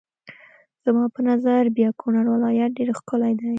زما په نظر بیا کونړ ولایت ډېر ښکلی دی.